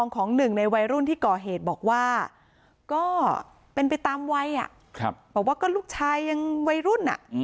ก็เป็นไปตามวัยบอกว่าลูกชายยังวัยรุ่น